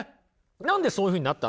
何でそういうふうになった。